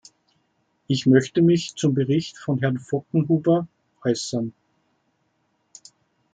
Ich möchte mich zum Bericht von Herrn Voggenhuber äußern.